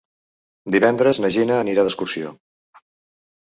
Divendres na Gina anirà d'excursió.